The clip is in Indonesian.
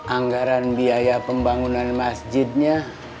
anggaran biaya pembangunan masjidnya